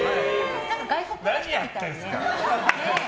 何やってるんですか。